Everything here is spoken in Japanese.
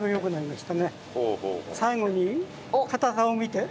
最後に硬さを見て。